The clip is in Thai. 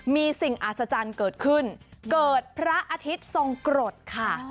มีสิ่งอัศจรรย์เกิดขึ้นเกิดพระอาทิตย์ทรงกรดค่ะ